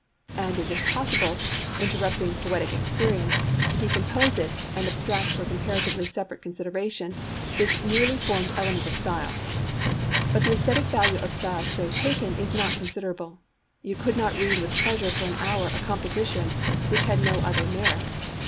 And it is possible, interrupting poetic experience, to decompose it and abstract for comparatively separate consideration this nearly formal element of style. But the aesthetic value of style so taken is not considerable; you could not read with pleasure for an hour a composition which had no other merit.